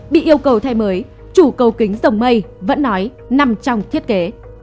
bị yêu cầu thay mới chủ cầu kính dòng mây vẫn nói nằm trong thiết kế